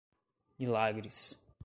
Milagres